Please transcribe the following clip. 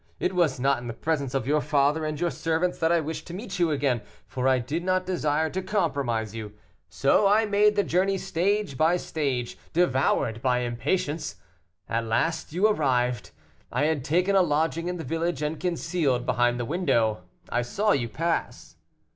It was not in the presence of your father and your servants that I wished to meet you again, for I did not desire to compromise you, so I made the journey stage by stage, devoured by impatience. At last you arrived. I had taken a lodging in the village, and, concealed behind the window, I saw you pass."